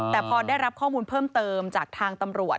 แต่พอได้รับข้อมูลเพิ่มเติมจากทางตำรวจ